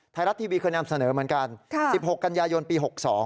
ไทยรัฐทีวีเคยนำเสนอเหมือนกัน๑๖กันยายนปี๖๒